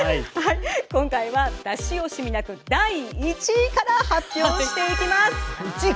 今回は出し惜しみなく１位から発表します。